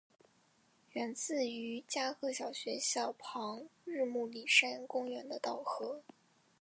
源自于加贺小学校旁日暮里山公园的稻荷。